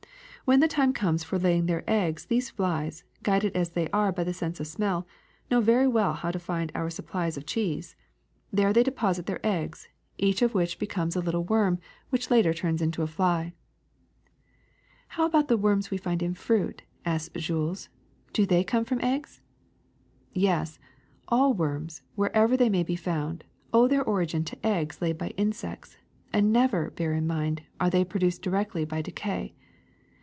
When the time comes for laying their eggs these flies, guided as they are by the sense of smell, know very well how to find our supplies of cheese. There they deposit their eggs, each of which 2^0 THE SECRET OF EVERYDAY THINGS becomes a little worm which later turns into a fly." *^How about the worms we find in fruit?" asked Jules. *^Do they too come from eggs?" *^Yes, all worms, wherever they may be found, owe their origin to eggs laid by insects ; and never, bear in mind, are they produced directly by decay.